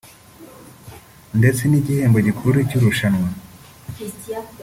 ndetse n’igihembo gikuru cy’irushanwa